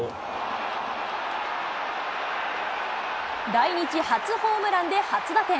来日初ホームランで初打点。